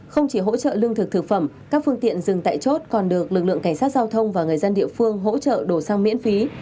không chỉ hỗ trợ lương thực thực phẩm các phương tiện dừng tại chốt còn được lực lượng cảnh sát giao thông và người dân địa phương hỗ trợ đổ sang miễn phí